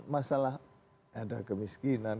masalah ada kemiskinan